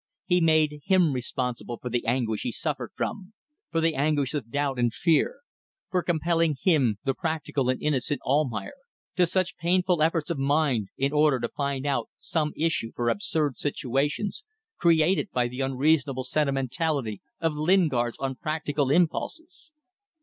He made him responsible for the anguish he suffered from, for the anguish of doubt and fear; for compelling him the practical and innocent Almayer to such painful efforts of mind in order to find out some issue for absurd situations created by the unreasonable sentimentality of Lingard's unpractical impulses.